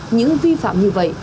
những vi phạm như vậy